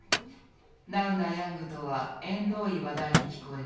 ナウなヤングとは縁遠い話題に聞こえる。